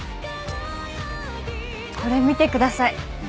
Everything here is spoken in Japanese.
これ見てください。